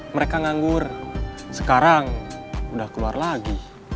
mereka nganggur sekarang udah keluar lagi